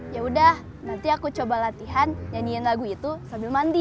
ya udah nanti aku coba latihan nyanyiin lagu itu sambil mandi